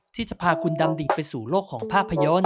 ที่จะพาคุณดำดิ่งไปสู่โลกของภาพยนตร์